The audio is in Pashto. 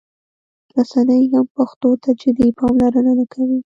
رسنۍ هم پښتو ته جدي پاملرنه نه کوي.